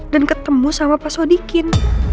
dan ketemu sama pak sodikin